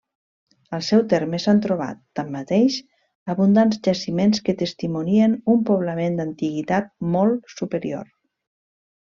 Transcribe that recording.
Al seu terme s'han trobat, tanmateix, abundants jaciments que testimonien un poblament d'antiguitat molt superior.